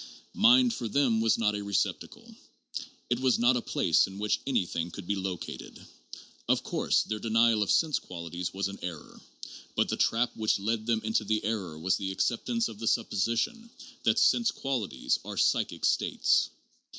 Mind for them was not a receptacle: it was not a place in which anything could be located. Of course their denial of sense qualities was an error. But the trap which led them into the error was their acceptance of the supposition that sense qualities are "psychic states."